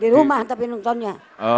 di rumah tapi nontonnya